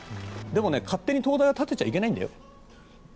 でも勝手に灯台は建てちゃいけないんだよ。